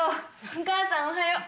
お母さんおはよう。